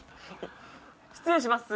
失礼します